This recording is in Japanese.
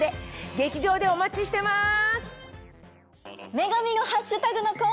劇場でお待ちしてます！